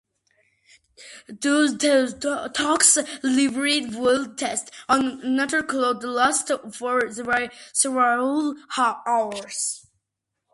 Those talks, delivered without text or notes, could last for several hours.